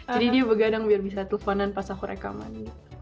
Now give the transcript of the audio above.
jadi dia begadang biar bisa telfonan pas aku rekaman